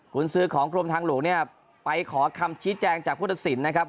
ขุนซื้อของกรมทางหลุงเนี่ยไปขอคำชี้แจงจากพุทธศิลป์นะครับ